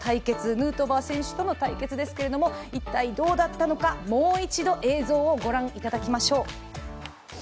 ヌートバー選手との対決ですけど一体どうだったのか、もう一度映像をご覧いただきましょう。